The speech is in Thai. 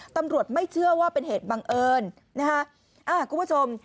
ตำรวจไม่เชื่อว่าเป็นเหตุบังเอิญนะฮะอ่าคุณผู้ชม